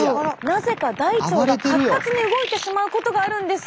なぜか大腸が活発に動いてしまうことがあるんです！